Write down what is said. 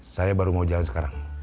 saya baru mau jalan sekarang